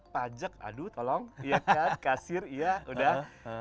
pajak aduh tolong iya kan kasir iya udah